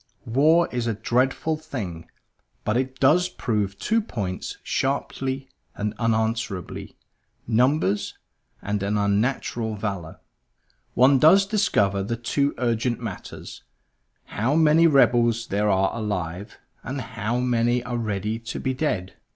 War is a dreadful thing; but it does prove two points sharply and unanswerably numbers, and an unnatural valor. One does discover the two urgent matters; how many rebels there are alive, and how many are ready to be dead.